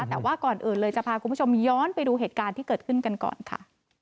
แต่ว่าก่อนอื่นเลยจะพาคุณผู้ชมย้อนไปดูเหตุการณ์ที่เกิดขึ้นกันก่อนค่ะ